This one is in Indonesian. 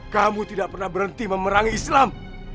kamu tidak pernah berhenti memerangi islam